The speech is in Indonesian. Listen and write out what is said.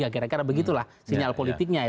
kira kira begitulah sinyal politiknya ya